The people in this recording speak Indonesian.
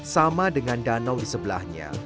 sama dengan danau di sebelahnya